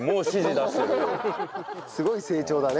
すごい成長だね。